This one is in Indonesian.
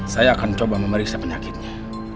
saya akan coba memeriksa penyakitnya